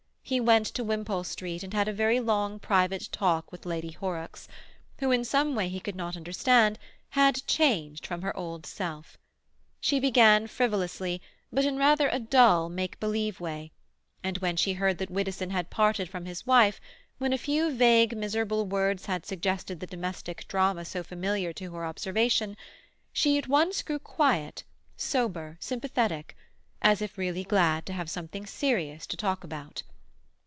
He went to Wimpole Street and had a very long private talk with Lady Horrocks, who, in some way he could not understand, had changed from her old self. She began frivolously, but in rather a dull, make believe way; and when she heard that Widdowson had parted from his wife, when a few vague, miserable words had suggested the domestic drama so familiar to her observation, she at once grew quiet, sober, sympathetic, as if really glad to have something serious to talk about.